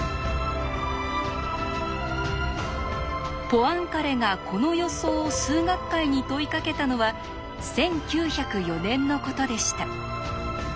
ポアンカレがこの予想を数学界に問いかけたのは１９０４年のことでした。